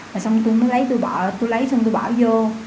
rồi xong tôi mới lấy từ bỏ tôi lấy xong tôi bỏ vô